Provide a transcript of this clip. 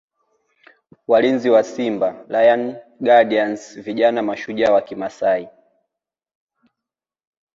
Walinzi wa Simba Lion Guardians vijana mashujaa wa Kimasai